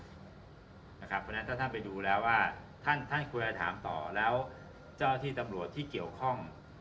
เพราะฉะนั้นถ้าท่านไปดูแล้วว่าท่านควรจะถามต่อแล้วเจ้าที่ตำรวจที่เกี่ยวข้อง